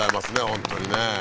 本当にね